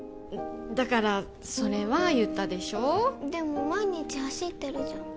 だからそれは言ったでしょでも毎日走ってるじゃん